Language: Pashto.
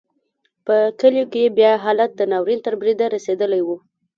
په کلیو کې بیا حالت د ناورین تر بریده رسېدلی و.